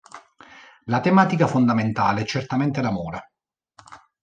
La tematica fondamentale è certamente l'amore.